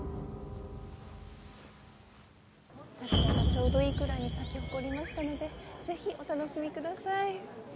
桜がちょうどいいくらいに咲き誇りましたのでぜひお楽しみください。